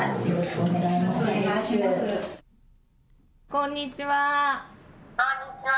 こんにちは。